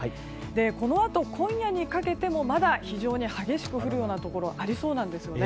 このあと今夜にかけてもまだ非常に激しく降るようなところがありそうなんですね。